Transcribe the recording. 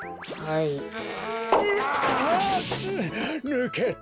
ぬけた。